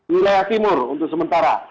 wilayah timur untuk sementara